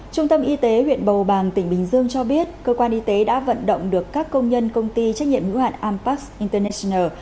trung tâm y tế huyện bầu bàng tỉnh bình dương cho biết cơ quan y tế đã vận động được các công nhân công ty trách nhiệm hữu hạn ampax international